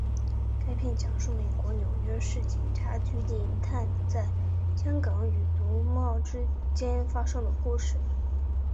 该片讲述美国纽约市警察局警探在香港与毒枭之间发生的故事。